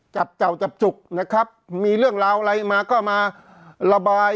จับจ่าวจับจุกนะครับมีสิ่งเนี่ยเรื่องอะไรมาก็มาระบาย